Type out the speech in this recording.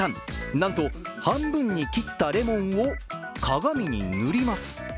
なんと半分に切ったレモンを鏡に塗ります。